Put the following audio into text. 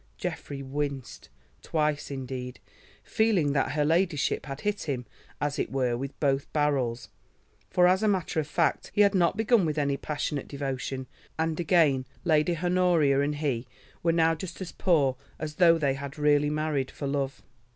Geoffrey winced, twice indeed, feeling that her ladyship had hit him as it were with both barrels. For, as a matter of fact, he had not begun with any passionate devotion, and again Lady Honoria and he were now just as poor as though they had really married for love.